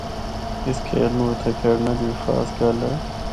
اس کھیل نوں اِتھا کھیڈنا دی ہک خاص گل ہے۔